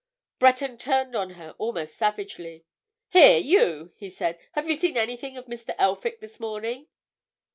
Breton turned on her almost savagely. "Here, you!" he said. "Have you seen anything of Mr. Elphick this morning?"